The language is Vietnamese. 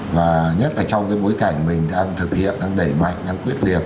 và nhất là trong cái bối cảnh mình đang thực hiện đang đẩy mạnh đang quyết liệt